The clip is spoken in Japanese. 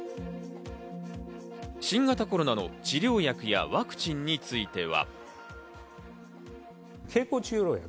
新型コロナの治療薬やワクチンについては。